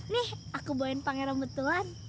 nih aku bawain pangeran betuan